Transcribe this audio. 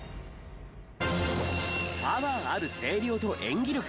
パワーある声量と演技力！